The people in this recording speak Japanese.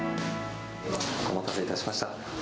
お待たせいたしました。